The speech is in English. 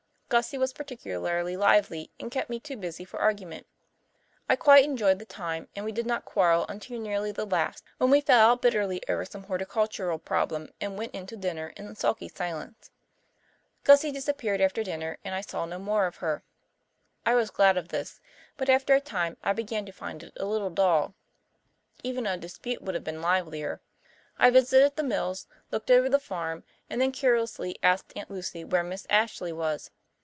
Gussie was particularly lively and kept me too busy for argument. I quite enjoyed the time and we did not quarrel until nearly the last, when we fell out bitterly over some horticultural problem and went in to dinner in sulky silence. Gussie disappeared after dinner and I saw no more of her. I was glad of this, but after a time I began to find it a little dull. Even a dispute would have been livelier. I visited the mills, looked over the farm, and then carelessly asked Aunt Lucy where Miss Ashley was.